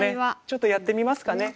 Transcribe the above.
ちょっとやってみますかね。